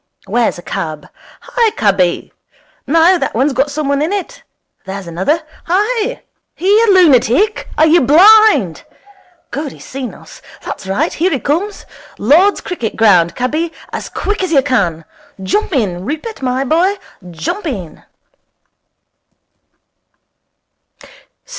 Where's a cab? Hi, cabby! No, that one's got some one in it. There's another. Hi! Here, lunatic! Are you blind? Good, he's seen us. That's right. Here he comes. Lord's Cricket Ground, cabby, as quick as you can. Jump in, Rupert, my boy, jump in.'